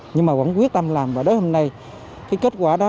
nhưng mà vẫn quyết tâm làm và đến hôm nay cái kết quả đó